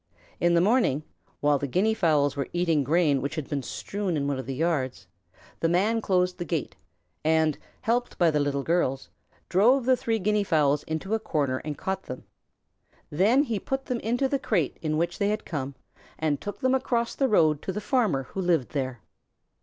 In the morning while the Guinea fowls were eating grain which had been strewn in one of the yards, the Man closed the gate, and, helped by the Little Girls, drove the three Guinea fowls into a corner and caught them. Then he put them into the crate in which they had come, and took them across the road to the Farmer who lived there.